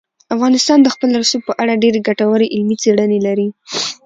افغانستان د خپل رسوب په اړه ډېرې ګټورې علمي څېړنې لري.